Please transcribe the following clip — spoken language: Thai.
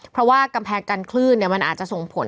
เพราะว่ากำแพงกันคลื่นมันอาจจะส่งผล